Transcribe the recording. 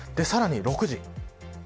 さらに６時。